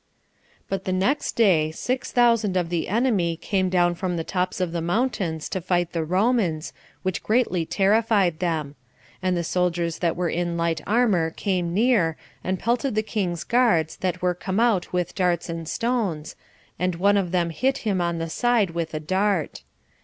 12. But the next day six thousand of the enemy came down from the tops of the mountains to fight the Romans, which greatly terrified them; and the soldiers that were in light armor came near, and pelted the king's guards that were come out with darts and stones, and one of them hit him on the side with a dart.